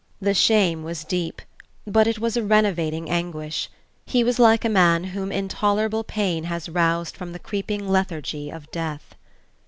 The shame was deep, but it was a renovating anguish; he was like a man whom intolerable pain has roused from the creeping lethargy of death....